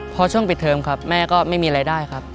พอช่วงปิดเทิมครับแม่ก็ไม่มีรายได้ครับ